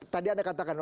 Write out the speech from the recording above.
tadi anda katakan